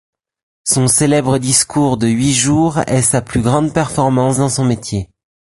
Son célèbre discours de huit jours est sa plus grande performance dans son métier.